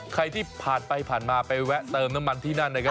ใครที่ผ่านไปผ่านมาไปแวะเติมน้ำมันที่นั่นนะครับ